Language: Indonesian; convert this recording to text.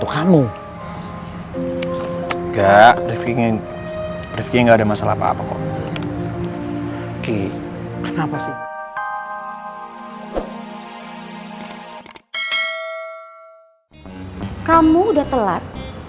kamu udah telat